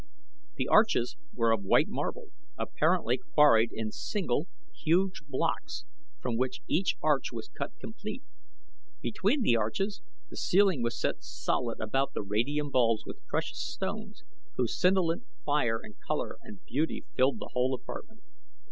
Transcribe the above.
The arches were of white marble, apparently quarried in single, huge blocks from which each arch was cut complete. Between the arches, the ceiling was set solid about the radium bulbs with precious stones whose scintillant fire and color and beauty filled the whole apartment.